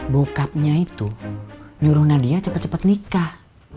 bokapnya itu nyuruh nadia cepet cepet nikah